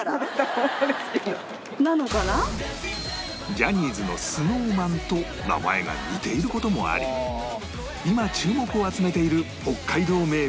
ジャニーズの ＳｎｏｗＭａｎ と名前が似ている事もあり今注目を集めている北海道名物です